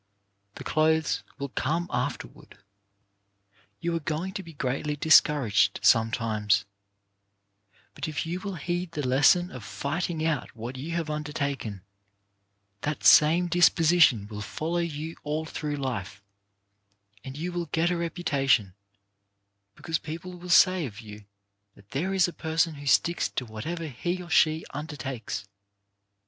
The clothes will come afterward. You are going to be greatly discouraged some i 9 2 CHARACTER BUILDING times, but if you will heed the lesson of fighting out what you have undertaken, that same disposi tion will follow you all through life, and you will get a reputation, because people will say of you that there is a person who sticks to whatever he or she undertakes.